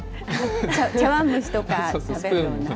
茶わん蒸しとか食べるような？